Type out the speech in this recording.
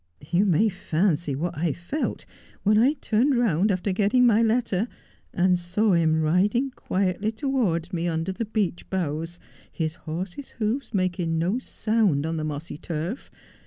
You may fancy what I felt when I turned round after getting my letter and saw him riding quietly towards me under the beech boughs, his horse's hoofs making no sound upon the mossy turf.